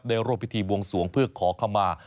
ในรวมพิธีบวงสวงเพื่อขอเข้ามา